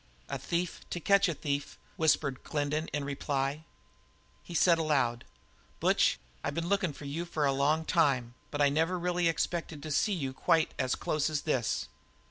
"A thief to catch a thief," whispered Glendin in reply. He said aloud: "Butch, I've been looking for you for a long time, but I really never expected to see you quite as close as this."